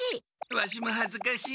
ワシもはずかしい。